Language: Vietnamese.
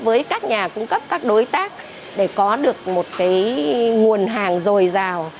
với các nhà cung cấp các đối tác để có được một nguồn hàng dồi dào